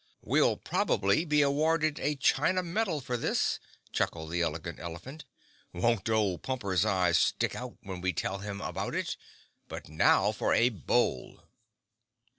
"We'll probably be awarded a china medal for this," chuckled the Elegant Elephant. "Won't old Pumper's eyes stick out when we tell him about it? But now for a bowl!"